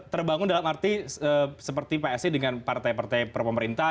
terbangun dalam arti seperti psi dengan partai partai per pemerintah